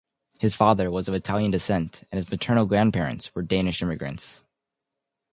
His father was of Italian descent and his maternal grandparents were Danish immigrants.